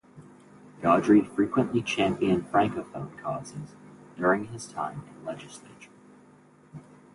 Gaudry frequently championed francophone causes during his time in the legislature.